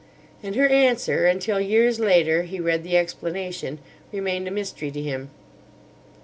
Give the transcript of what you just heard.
And her answer, until years later he read the explanation, remained a mystery to him.